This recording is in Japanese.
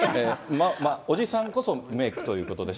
おじさんこそメークということです。